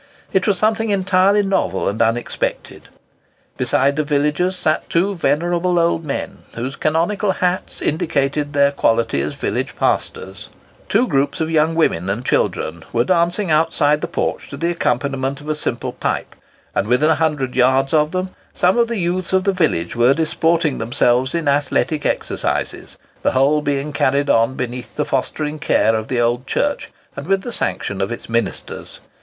It was something entirely novel and unexpected. Beside the villagers sat two venerable old men, whose canonical hats indicated their quality as village pastors. Two groups of young women and children were dancing outside the porch to the accompaniment of a simple pipe; and within a hundred yards of them, some of the youths of the village were disporting themselves in athletic exercises; the whole being carried on beneath the fostering care of the old church, and with the sanction of its ministers.